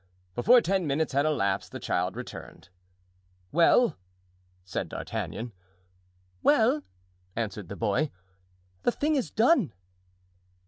Before ten minutes had elapsed the child returned. "Well!" said D'Artagnan. "Well!" answered the boy, "the thing is done."